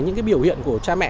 những biểu hiện của cha mẹ